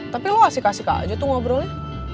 tapi lu asik asik aja tuh ngobrolnya